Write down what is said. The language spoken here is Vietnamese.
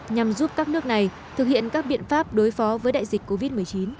nhằm giúp các nước này thực hiện các biện pháp đối phó với đại dịch covid một mươi chín